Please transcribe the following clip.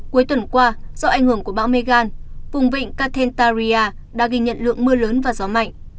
cuối tuần qua do ảnh hưởng của bão megan vùng vịnh cathentaria đã ghi nhận lượng mưa lớn và gió mạnh